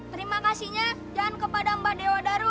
terima kasihnya dan kepada mbak dewa daru